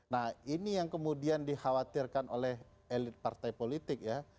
nah ini yang kemudian dikhawatirkan oleh elit partai politik ya